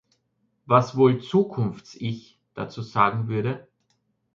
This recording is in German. Was wohl Zukunfts-Ich dazu sagen würde?